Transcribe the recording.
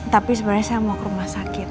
tapi sebenarnya saya mau ke rumah sakit